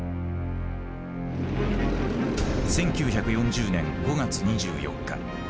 １９４０年５月２４日。